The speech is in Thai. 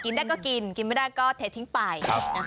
ได้ก็กินกินไม่ได้ก็เททิ้งไป